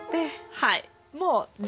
はい。